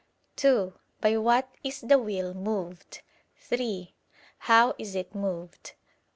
(2) By what is the will moved? (3) How is it moved?